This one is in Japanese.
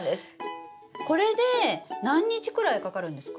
これで何日くらいかかるんですか？